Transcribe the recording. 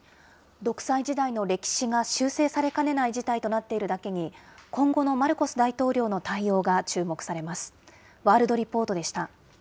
独裁時代の歴史が修正されかねない事態となっているだけに、今後のマルコス大統領の対応が注目されます。